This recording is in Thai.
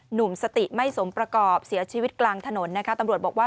หนุ่มสติไม่สมประกอบเสียชีวิตกลางถนนนะคะตำรวจบอกว่า